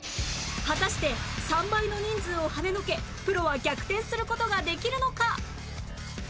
果たして３倍の人数をはねのけプロは逆転する事ができるのか？